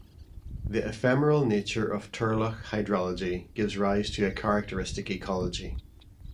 The ephemeral nature of turlough hydrology gives rise to a characteristic ecology.